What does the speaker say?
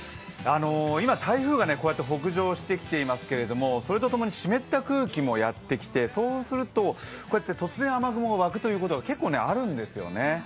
今、台風が北上してきていますけれども、それとともに湿った空気もやってきてそうすると突然雨雲が湧くことが結構あるんですよね。